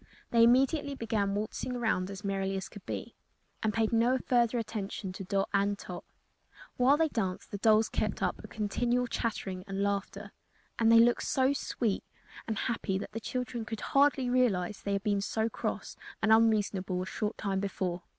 They immediately began waltzing around as merrily as could be, and paid no further attention to Dot and Tot. While they danced the dolls kept up a continual chattering and laughter, and they looked so sweet and happy that the children could hardly realize they had been so cross and unreasonable a short time before.